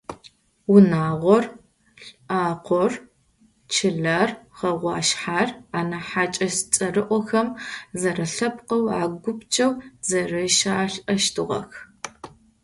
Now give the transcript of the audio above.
Унагъор, лӏакъор, чылэр, хэгъуашъхьэр, анахь хьакӏэщ цӏэрыӏохэм – зэрэлъэпкъэу ягупчэу зэрищалӏэщтыгъэх.